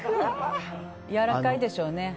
やわらかいでしょうね。